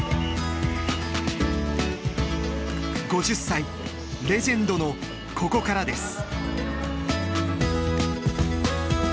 ５０歳レジェンドのここからです。